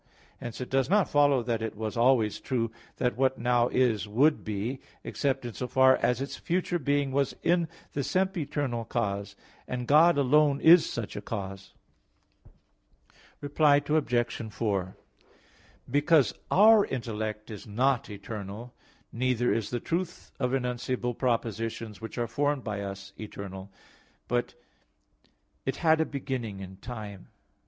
Hence it does not follow that it was always true that what now is would be, except in so far as its future being was in the sempiternal cause; and God alone is such a cause. Reply Obj. 4: Because our intellect is not eternal, neither is the truth of enunciable propositions which are formed by us, eternal, but it had a beginning in time.